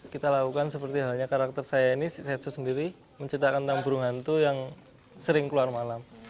kita lakukan seperti halnya karakter saya ini setsu sendiri menceritakan tentang burung hantu yang sering keluar malam